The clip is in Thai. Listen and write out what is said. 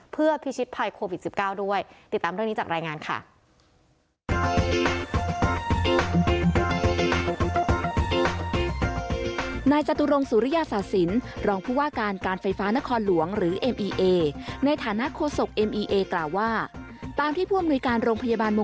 เพื่อพิชิตภัยโควิด๑๙ด้วย